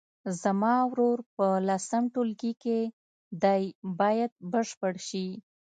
زما ورور په لسم ټولګي کې دی باید بشپړ شي.